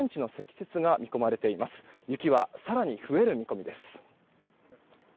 雪は更に増える見込みです。